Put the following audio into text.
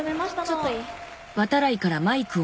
ちょっといい？